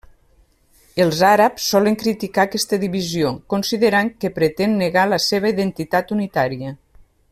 Els àrabs solen criticar aquesta divisió, considerant que pretén negar la seva identitat unitària.